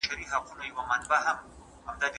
جګړي د فابریکو د جوړولو چارې ټکني کړي.